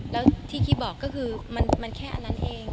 แล้วที่คิดบอกก็คือมันแค่อันนั้นเอง